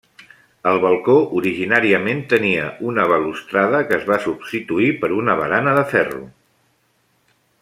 El balcó originàriament tenia una balustrada que es va substituir per una barana de ferro.